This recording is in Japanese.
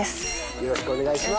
よろしくお願いします。